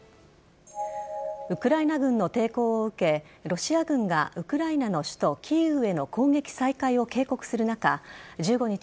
ウクライナ軍の抵抗を受けロシア軍がウクライナの首都・キーウへの攻撃再開を警告する中１５日